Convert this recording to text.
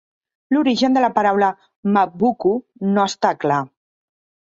L'origen de la paraula "Mabvuku" no està clar.